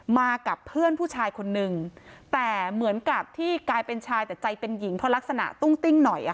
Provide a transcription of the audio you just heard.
มากับเพื่อนผู้ชายคนนึงแต่เหมือนกับที่กลายเป็นชายแต่ใจเป็นหญิงเพราะลักษณะตุ้งติ้งหน่อย